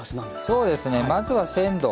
そうですねまずは鮮度。